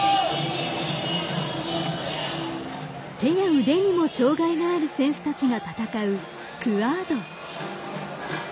手や腕にも障がいがある選手たちが戦うクアード。